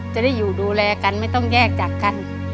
จะได้อยู่ดูแลกันไม่ต้องแยกจากกัน